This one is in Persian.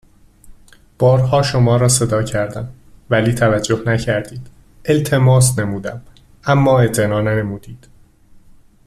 بارها شما را صدا کردم ولی توجه نكرديد التماس نمودم اما اعتنا ننموديد